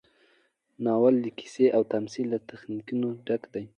ناول د قصې او تمثیل له تخنیکونو ډک دی.